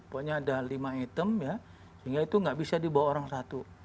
pokoknya ada lima item ya sehingga itu nggak bisa dibawa orang satu